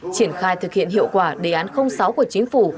triển khai thực hiện hiệu quả đề án sáu của chính phủ